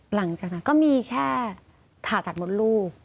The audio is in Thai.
หลังจากนั้นก็มีแค่ผ่าตัดมดลูก